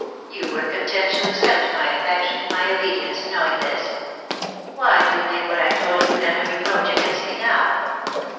You were content to accept my affection — my obedience — knowing this. Why do you make what I told you then a reproach against me now